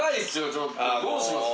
ちょっとどうします？